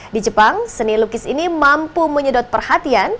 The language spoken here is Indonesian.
di jepang seni lukis ini mampu menyedot perhatian